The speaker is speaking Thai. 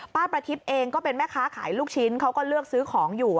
ประทิพย์เองก็เป็นแม่ค้าขายลูกชิ้นเขาก็เลือกซื้อของอยู่